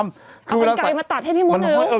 เอากางแกนมาตัดให้พี่มดนะเร็ว